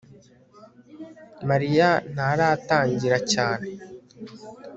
mariya ntaratangira cyane